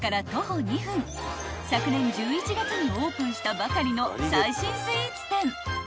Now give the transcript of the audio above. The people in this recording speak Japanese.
［昨年１１月にオープンしたばかりの最新スイーツ店］